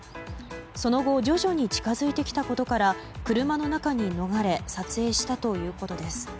その後徐々に近づいてきたことから車の中に逃れ撮影したということです。